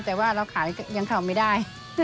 แต่ว่าเราขายยังทำไม่ได้